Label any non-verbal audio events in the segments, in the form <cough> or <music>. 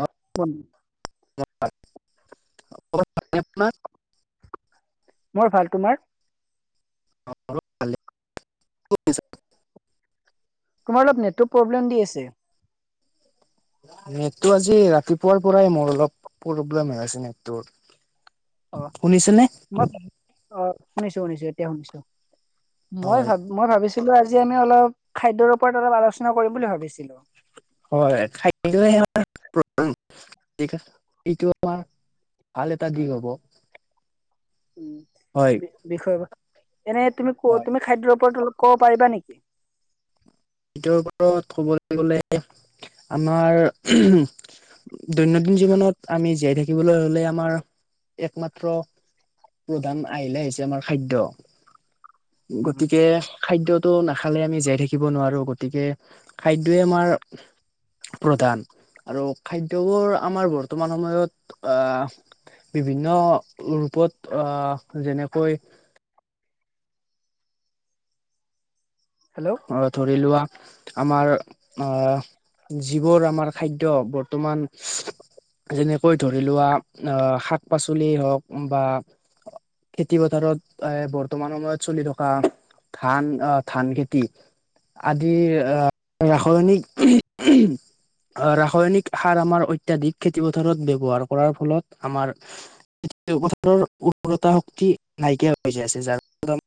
অ', <unintelligible> মোৰ ভাল, তোমাৰ? <unintelligible> তোমাৰ অলপ নেটৱৰ্ক প্ৰব্লেম দি আছে। নেটটো আজি ৰাতিপুৱা পুৱাৰ পৰাই মোৰ অলপ প্ৰব্লেম হৈ আছে নেটটোৰ। অ ম <unintelligible> <inaudible> অ' শুনিছো শুনিছো এতিয়া শুনিছো। মই হয় ভাব মই ভাবিছো কিন্তু আজি আমি অলপ খাদ্যৰ ওপৰত অলপ আলোচনা কৰিম বুলি ভাবিছিলো। হয় খ আম এইটো আমাৰ ভাল এটা দিশ হব <unintelligible> হয়। বিষয় এনে তুমি ক তুমি খাদ্যৰ ওপৰত অলপ ক'ব পাৰিবা নেকি? খাদ্য ওপৰত ক'বলৈ গলে আমাৰ দৈনন্দিন জীৱনত আমি জীয়াই থাকিবলৈ হলে আমাৰ একমাত্ৰ প্ৰধান আহিলা হৈছে আমাৰ খাদ্য। উম গতিকে খাদ্যয়টো নাখালে আমি জীয়াই থাকিব নোৱাৰো গতিকে খাদ্যই আমাৰ প্ৰধান আৰু খাদ্যবোৰ আমাৰ বৰ্তমান সময়ত আহ বিভিন্ন ৰূপত আহ যেনেকৈ হেল্ল' অ ধৰিলোৱা আমাৰ আহ যিবোৰ আমাৰ খাদ্য বৰ্তমান যেনেকৈ ধৰি লোৱা আহ শাক পাচলি হওঁক বা খেতি পথাৰত এ বৰ্তমান সময়ত চলি থকা ধান আহ ধান খেতি আদি ৰাসায়নিক ৰাসায়নিক সাৰ আমাৰ অত্যধিক খেতি পথাৰত ব্যৱহাৰ কৰাৰ ফলত আমাৰ খেতিপথাৰৰ উৰ্বৰতা শক্তি নাই কিয় পজেছে যম <unintelligible>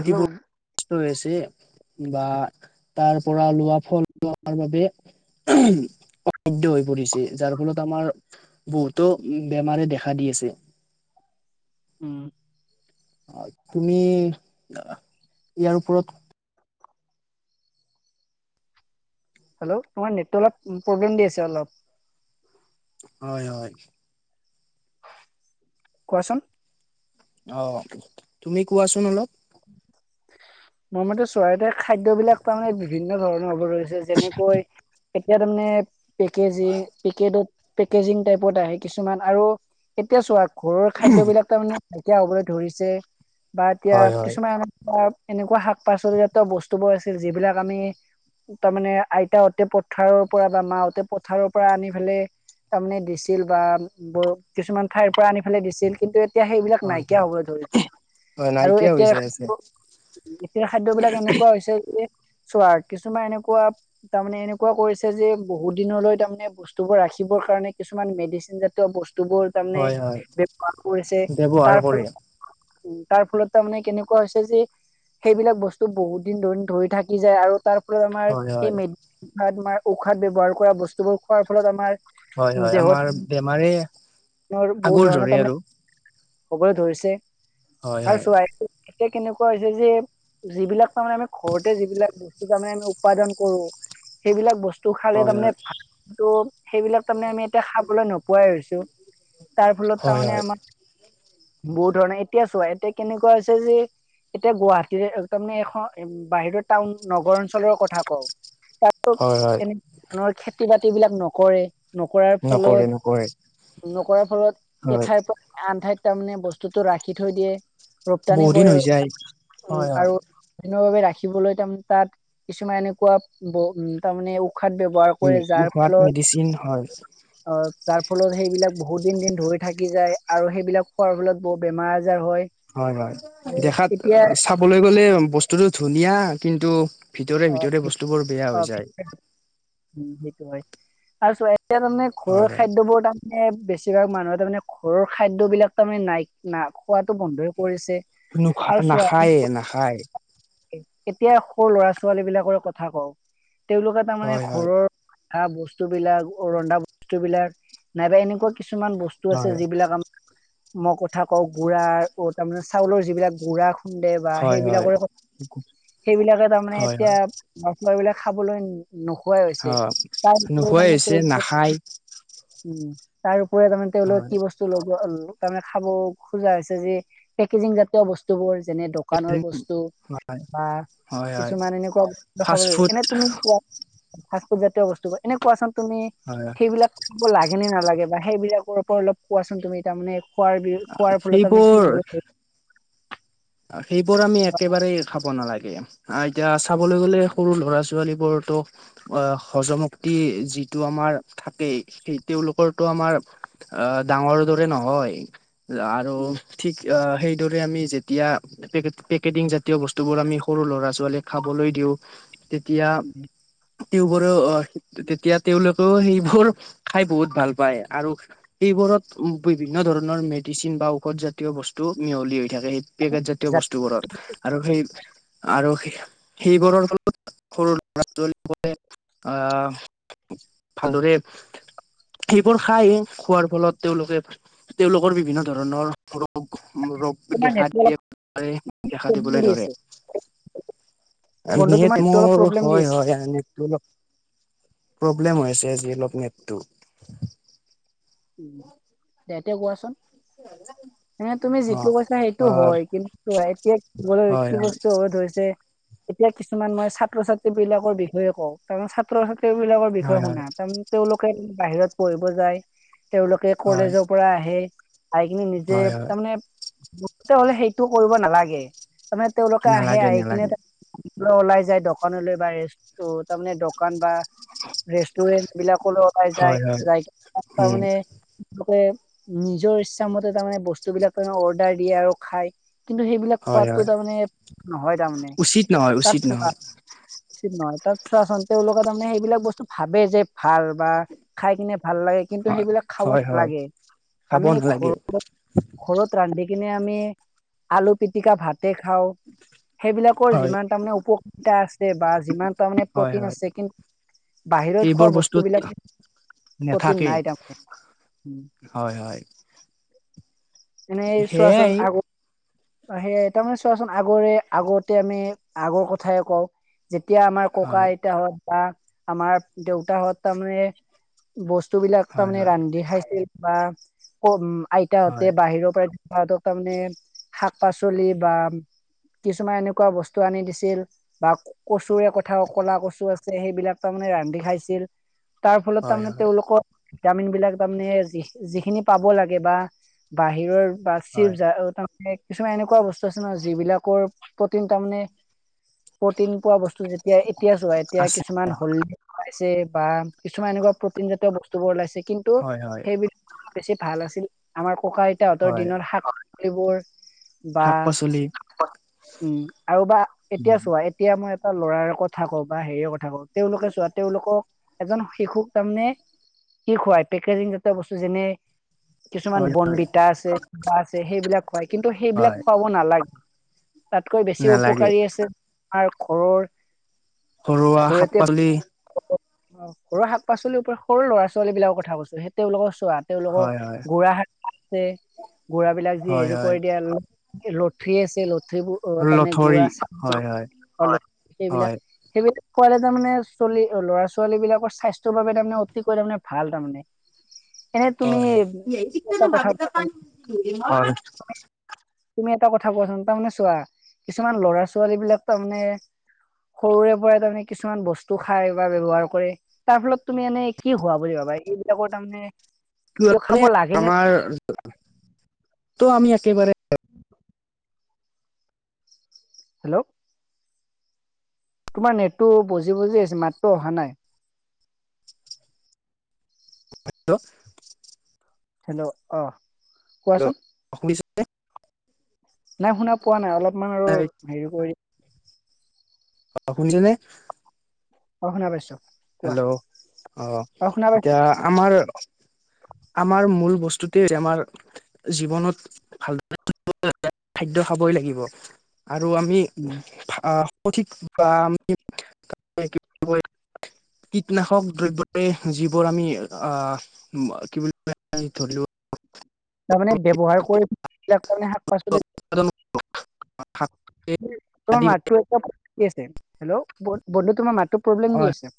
হেল্ল' নষ্ট হৈছে বা তাৰ পৰা লোৱা ফল লোৱাৰ বাবে আধ্য <unintelligible> হৈ পৰিছে যাৰ ফলত আমাৰ বহুতো বেমাৰে দেখা দি আছে উম। অ' তুমি ইয়াৰ ওপৰত, হেল্ল' তোমাৰ নেট অলপ প্ৰব্লেম দি আছে অলপ। হয় হয়। কোৱাচোন। অ তুমি কোৱাচোন অলপ, মোৰ মতে চোৱা খাদ্যবিলাক তাৰমানে বিভিন্ন ধৰণৰ হ'ব ধৰিছে যেনেকৈ এতিয়া তাৰমানে, পেকেজ পেকেটত পেকেজিং টাইপত আহে কিছুমান আৰু এতিয়া চোৱা ঘৰৰ খাদ্যবিলাক তাৰমানে এতিয়া হ'বলৈ ধৰিছে বাত দিয়া হয় হয় বা এনেকুৱা শাক পাচলি জাত বস্তু বোৰ আছিল যিবিলাক আমি তাৰমানে আইতা হতে পথাৰৰ পৰা বা মাহতে পথাৰৰ পৰা আনি পেলাই তাৰমানে দিছিল বা কিছুমান ঠাইৰ পৰা আনি পেলাই দিছিল কিন্তু এতিয়া সেইবিলাক হয় নাইকিয়া হয় হ'বলৈ ধৰিলে হয় আৰু নাইকিয়া হৈ এতিয়া যাই আছে খাদ্যবিলাক এনেকুৱা হৈছে এই চোৱা কিছুমান এনেকুৱা তাৰমানে এনেকুৱা কৰিছে যে, বহুত দিনলৈ তাৰমানে বস্তু বোৰ ৰাখিবৰ কাৰণে কিছুমান মেডিচিন জাতীয় বস্তু, বস্তুবোৰ তাৰমানে হয় হয় ব্যৱহাৰ কৰিছে ব্যৱহাৰ তাৰ কৰে ফলত। উ, তাৰ ফলত। তাৰ মানে কেনেকুৱা হৈছে যে সেইবিলাক বস্তু বহুত দিন ধৰি, ধৰি থাকি যায় আৰু তাৰ। আমাৰ হয় সেই হয় মেত <unintelligible> উশাদ ব্যৱহাৰ কৰা বস্তুবোৰ খোৱাৰ ফলত আমাৰ। হয়, হয় আমাৰ বেমাৰে। মানুহৰ বহুত আগৰ ধৰণৰ দৰে আৰু তাৰমানে। হ'বলে ধৰিছে। হয় হয় আৰুচোৱা। এতিয়া কেনেকুৱা হৈছে যে যিবিলাক তাৰমানে আমি ঘৰতে যিবিলাক বস্তু তাৰমানে আমি উৎপাদন কৰো সেইবিলাক বস্তু। টো খালে হয় হয় তাৰমানে ভাতটো সেইবিলাক তাৰমানে আমি এতিয়া খাবলৈ নোপোৱাই হৈছো। তাৰ ফলত হয় তাৰমানে হয় আমাৰ। বহুত ধৰণে এতিয়া চোৱা এতিয়া কেনেকুৱা হৈছে যে এতিয়া গুৱাহাটীৰ তাৰমানে এখন বাহিৰৰ টাউন নগৰ অঞ্চলৰ কথা কওঁ। তাতো হয় হয় এনে। নৰ খেতি বাতি বিলাক নকৰে। নকৰাৰ নকৰে নকৰে ফলত। নকৰে। ঘৰত হয় এঠাইৰ পৰা আনঠাইত। তাৰ মানে বস্তুটো ৰাখি থৈ দিয়ে। ৰপ্তানি বহু দিন কৰে হৈ যায় হয়, হয়। বহু দিনৰ বাবে ৰাখিবলৈ তাৰ মানে তাত কিছুমান এনেকুৱা বহু উ তাৰ মানে। উশাদ ব্যবহাৰ কৰে যাৰ ঔষধ ফলত মেডিচিন হয় অ'। তাৰ ফলত সেই। বিলাক বহুত দিন, দিন ধৰি থাকি যায় আৰু সেইবিলাক খোৱাৰ ফলত বহুত বেমাৰ। হয়, হয় উম, দেখাত এতিয়া চাবলৈ গ'লে বস্তুটো ধুনীয়া। কিন্তু। ভিতৰে, অ ভিতৰে বস্তুবোৰ বেয়া হৈ যায়। উম সেইটো হয় আৰু চোৱাই। এতিয়া তাৰমানে ঘৰৰ হয় হয় খাদ্যবোৰ তাৰমানে বেছি। যিবিলাক মানুহে তাৰমানে ঘৰৰ খাদ্যবিলাক তাৰ মানে নাই না। খোৱাটো বন্ধই কৰিছে নোখা আৰু চোৱা। নাখায়ে নাখায় এতিয়া সৰু ল'ৰা ছোৱালী। ছোৱালী বিলাকৰ কথা কওঁ। তেওঁলোকে তাৰ মানে হয় হয় ঘৰৰ আ বস্তু বিলাক ৰন্ধা বস্তু বিলাক নাইবা এনেকুৱা কিছুমান বস্তু আছে হয় যি বিলাক আমাৰ মই কথা কও গুড়া অহ ', তাৰমানে চাউলৰ যিবিলাক গুড়া খুন্দে বা হয় হয় সেইবিলাকৰে - সেইবিলাকে তাৰমানে হয় হয় এয়া <unintelligible> অহ ', এইবিলাক খাবলৈ নি নোখোৱাই হৈছে অ তাৰ নোখোৱাই তমান হৈছে নাখায় উম, <unintelligible> তাৰ পুৰাই দেখোন তেওলোকক হয় কি বস্তু ল'ব। তাৰমানে খাব খোজা হৈছে যে পেকেজিং জাতীয় বস্তু বোৰ। যেনে দোকানৰ বস্তু বা হয় কি হয় তুমাৰ এনেকুৱা ফাষ্ট দেখাবলৈ ল ফুড এনে তুমি কোৱা জাতীয় বস্তু বা এনে কোৱাচোন তুমি হয় সেইবিলাক খাব লাগে নে নালাগে বা সেইবিলাক ৰ পৰা অলপ কোৱাচোন তুমি তাৰ মানে খোৱাৰ বি খোৱাৰ ফলত মানে কি সেইবোৰ লব লাগিব। সেইবোৰ আমি একেবাৰেই খাব নালাগে এতিয়া চাবলৈ গ'লে সৰু ল'ৰা ছোৱালী বোৰতো অহ ', হজমক্তি যিটো আমাৰ থাকেই সেই তেওঁলোকৰটো আমাৰ অহ ডাঙৰ দৰে নহয় আৰু ঠিক অহ ', সেইদৰে আমি যে এতিয়া পেকেটিং জাত বস্তুবোৰ আমি সৰু লৰা ছালীক খাবলৈ দিও। তেতিয়া টিবৰে অহ ', তিওবৰৰ তেওঁলোকেও সেইবোৰ খাই বহুত ভাল পায় আৰু এইবোৰত বিভিন্ন ধৰণৰ মেডিচিন বা ঔষধ জাতীয় বস্তু মিহলি হৈ থাকে। কেগটজাতীয় বস্তুবোৰত আৰু সেই আৰু সেইবোৰৰ ফলত সৰু লৰা ছোৱালীবোৰে আহ, ভালদৰে সেইবোৰ খায় খোৱাৰ ফলত তেওঁলোকে, - তেওঁলোকৰ বিভিন্ন ধৰণৰ সৰু ৰোগ তোমাৰ নেটটো দেখাত অলপ দেখা প্ৰব্লেম দিবলৈ দি ধৰে আছে আম বন্ধু তোমাৰ নেটটো অলপ মোৰ প্ৰব্লেম দি হয়- আছে হয় আমল <unintelligible> প্ৰব্লেম হৈছে যি অলপ নেটটো। উম, দেতিয়া কোৱাচোন এনে তুমি অ যিটো কৈছা সেইটো অ হয় কিন্তু এতিয়া হয় কি হয় বস্তু হ'ব ধৰিছে। এতিয়া কিছুমান মই ছাত্ৰ ছাত্ৰী। বিলাকৰ বিষয়ে কওঁ তাৰে ছাত্ৰ ছাত্ৰী তেওঁবলাকৰ বিষয়ে হয় হয় শুনা তাৰ তেওঁলোক ক'ত বাহিৰত পৰিব যায় তেওঁলোকে হয় কলেজৰ পৰা আহে আহ কিনে নিজে, হয় হয় তৰমানে মুক্ত হ'লে সেইটো কৰিব নালাগে। তামানে তেওঁলোক আহে, নালাগে আহি কিনে নালাগে ওলাই যায় দোকানলৈ বা ৰেষ্টু তাৰমানে দোকান বা ৰেষ্টুৰেন্ট বিলাকোলৈ ওলিই যায় হয় হয় উম তাৰানে তেওঁলোকে নিজৰ ইচ্ছামতে তাৰমানে বস্তু বিলাক তাৰে অৰ্ডাৰ দিয়ে আৰু খায়। কিন্তু সেইবিলাক হয় খোৱাতটো হয় তাৰমানে নহয় তাৰমানে উচিত নহয় তাত উচিত নহয় উচিত নহয় তাত। চোৱাচোন, তেওঁলোকে তাৰমানে সেইবিলাক বস্তু ভাবে, যে ভাল বা খাই কেনে ভাল লাগে, কিন্তু হয় সেইবিলাক হয় খালত হয় লাগে, খাব আমি <unintelligible> নালাগে ঘৰত ৰা ৰান্ধি কিনে আমি আলু পিটিকা ভাত তে খাওঁ, সেইবিলাকৰ হয় যিমান তাৰমানে উপকাৰিতা আছে, বা যিমান তাৰমানে হয় প্ৰটিন হয় আছে, কিন্তু বাহিৰত খোৱা এইবোৰ বস্তুত বস্তুবিলাকে প্ৰটিন নাথাকে নাই তাৰমানে হয়, হয়। এনেই চোৱাচোন সেয়াই আগ অ সেইয়াই, তাৰমানে চোৱাচোন আগৰে আগতে আমি, আগৰ কথাই কওঁ যেতিয়া আমাৰ ককা হয় আইতাহঁত বা আমাৰ দেউতাহঁত তাৰমানে, বচ তু বিলাক হয় তাৰমানে হয় ৰান্ধি খাইছিল বা ক আইত তে হয় বাহিৰতে তাহঁতক তাৰমানে শাক পাচলি বা কিছুমান এনেকুৱা বস্তু আনি দিছিল, বা কচুৰে কথা কলা কচুও আছে, সেইবিলাক তাৰমানে ৰান্ধি খাইছিল তাৰ ফলত হয় তাৰমানে হয় তেওঁলোকৰ ভিটামিন বিলাক তাৰমানে এ যিখিনি পাব লাগে বা বাহিৰৰ বা হয় শিৱজা অ ত এ কিছুমান এনেকুৱা বস্তু আছে ন, যিবিলাকৰ প্ৰটিন তাৰমানে প্ৰটিন পোৱা বস্তু যেতিয়া এতিয়া চোৱা এতিয়া আছে কিছুমান হল পাইছে বা কিছুমান এনেকুৱা প্ৰ'টিন জাতীয় বস্তু বোৰ ওলাইছে কিন্তু হয় হয় সেইবিলাক বেছি ভাল আছিল। আমাৰ ককা-আইতাহতৰ হয় দিনৰ শাক এইবোৰ। বা শাক পাচলি উম, আৰু বা এতিয়া উম, চোৱা এতিয়া মই লৰাৰ কথা কক বা হেৰিয়ৰ কথা কওক, তেওঁলোকে চোৱা তেওঁলোকক এজন শিশুক তাৰমানে শিশু কি খুৱাই পেকেজিং জাতীয় বস্তু যেনে কিছুমান হয় বনবিতা আছে, কিবা আছে। সেইবিলাক, খোৱাই কিন্তু সেইবিলাক হয় খোৱাব নালাগে। তাতকৈ বেছি নালাগে উপকাৰী আছে। আমাৰ ঘৰৰ ঘৰুৱা শাক-পাচলি অ' শাক-পাচলিৰ ওপৰত সৰু ল'ৰা-ছোৱালী বিলাকৰ কথা কৈছো, সেই তেওঁলোকক তেওঁলোকক হয় হয় গুৰা হাত ছে গুড়াবিলাক যি হয় হেৰি হয় কৰি দিয়ে <unintelligible> লথৰি আছে লথ সেইবোৰ অ তাৰমানে লঠৰি গুৰা চ হয় হয় সেইবিলাক হয় সেইবিলাক <unintelligible> কোৱালে তাৰ মানে চোলি ল'ৰা ছোৱালী বিলাকৰ স্বাস্থৰ বাবে তাৰমানে অতিকৈ তাৰমানে ভাল তাৰমানে এনে তুমি হয়। এটা কথা কোৱাচোন <unintelligible> হয় তুমি এটা কথা কোৱাচোন তাৰমানে চোৱা কিছুমান ল'ৰা ছোৱালী বিলাক তাৰমানে সৰুৰে পৰাই তাৰমানে কিছুমান বস্তু খাই বা ব্যৱহাৰ কৰে তাৰ ফলত তুমি এনে কি হোৱা বুলি ভাবা এইবিলাকৰ তাৰমানে কিয় মানে খাব লাগে নে আমাৰ তো আমি একেবাৰে হেল্ল' তোমাৰ নেটটো বজি বজি আছে মাতটো অহা নাই <unintelligible> হেল্ল' অ কোৱাচোন অ শুনিছে নে নাই শুনা পোৱা নাই অলপ তোমাৰ হেৰি কৰি। অ শুনিছনে? অ শুনা পাইছো কোৱা হেল্ল' অ শুনা পাইছো এতিয়া আমাৰ আমাৰ মূল বস্তুতে আমাৰ জীৱনত ভাল খাদ্য খাবই লাগিব <inaudible> আৰু আমি উম সঠিক বা আমি কীটনাশক দ্ৰব্যৰে যিবোৰ আমি আহ কি বুলি ধৰিলো তাৰমানে ব্যৱহাৰ কৰিলে শাক পাচলি <unintelligible> ত আদি মাতৈ <unintelligible> হেল্লো' বন্ধু তোমাৰ মাত প্ৰব্লেম দি আছে।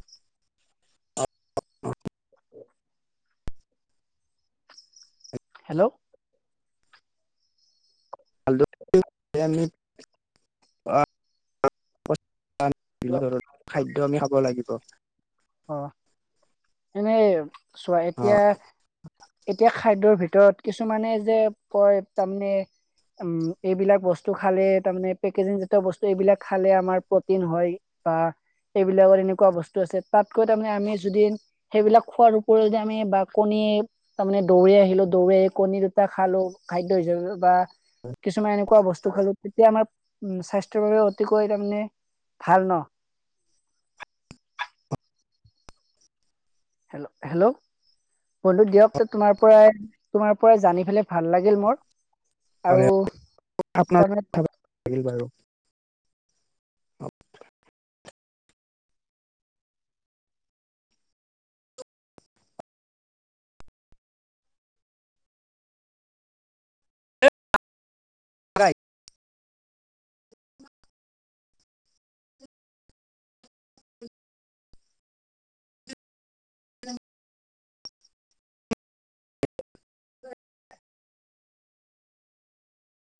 হেল্লো? <unintelligible> বিভিন্ন ধৰণৰ খাদ্য আমি খাব লাগিব অ' এনেই চোৱা অ এতিয়া, এতিয়া খাদ্যৰ ভিতৰত, কিছুমানে যে কয়, তাৰমানে এইবিলাক বস্তু খালে তাৰমানে পেকেজিং জাতীয় বস্তু, এইবিলাক খালে আমাৰ প্ৰটিন হয়, বা এইবিলাকত এনেকুৱা বস্তু আছে তাতকৈ তাৰমানে আমি যদি সেইবিলাক খোৱাৰ ওপৰিও যে আমি বা কণী, তাৰমানে দৌৰি আহিলো, দৌৰি আহি কণী দুটা খালো খাদ্য হিচাপে, বা কিছুমান এনেকুৱা বস্তু খালোঁ, তেতিয়া আমাৰ উ স্বাস্থ্যৰ বাবে অতিকৈ তাৰমানে ভাল ন? হেল্ল', হেল্ল', বন্ধু দিয়ক তোমাৰ পৰাই, তোমাৰ পৰা জানি পেলাই ভাল লাগিল মোৰ আৰু হয়, আপোনাৰ তাৰমানে <unintelligible> থাকিল বাৰু <inaudible> ৰাইট।